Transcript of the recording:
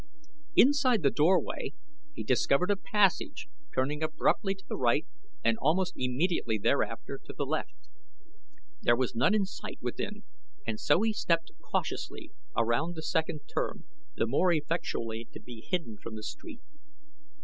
Inside the doorway he discovered a passage turning abruptly to the right and almost immediately thereafter to the left. There was none in sight within and so he stepped cautiously around the second turn the more effectually to be hidden from the street.